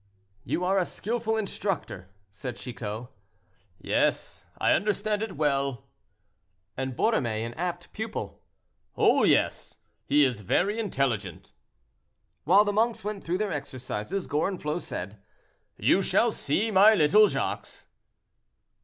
"You are a skillful instructor," said Chicot. "Yes, I understand it well." "And Borromée an apt pupil." "Oh, yes! he is very intelligent." While the monks went through their exercises, Gorenflot said, "You shall see my little Jacques."